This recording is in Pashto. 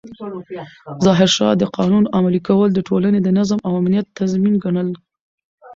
ظاهرشاه د قانون عملي کول د ټولنې د نظم او امنیت تضمین ګڼل.